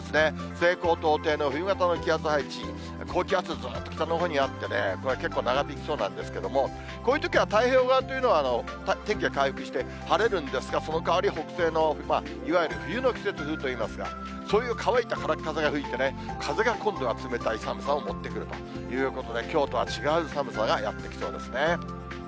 西高東低の冬型の気圧配置、高気圧、ずっと北のほうにあってね、結構長引きそうなんですけれども、こういうときは太平洋側というのは、天気が回復して、晴れるんですが、その代わり北西のいわゆる冬の季節風といいますが、そういう乾いたからっ風が吹いて、風が今度は冷たい寒さを持ってくるということで、きょうとは違う寒さがやってきそうですね。